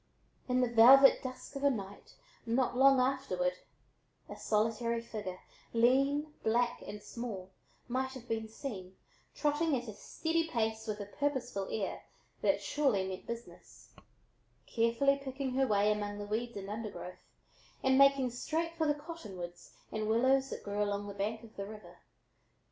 In the velvet dusk of a night, not long afterward, a solitary figure, lean, black, and small, might have been seen, trotting at a steady pace with a purposeful air that surely meant business, carefully picking her way among the weeds and undergrowth and making straight for the cottonwoods and willows that grew along the bank of the river.